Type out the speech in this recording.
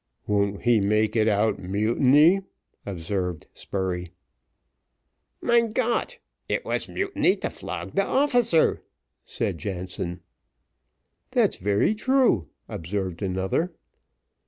"Won't he make it out mutiny?" observed Spurey. "Mein Gott! it was mutiny to flog de officer," said Jansen. "That's very true," observed another.